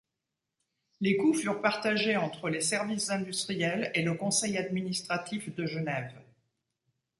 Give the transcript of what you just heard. Les coûts furent partagés entre les Services industriels et le Conseil administratif de Genève.